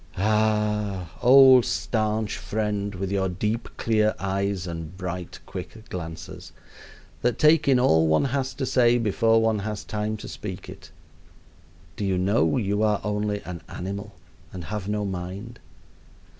Ah! old stanch friend, with your deep, clear eyes and bright, quick glances, that take in all one has to say before one has time to speak it, do you know you are only an animal and have no mind?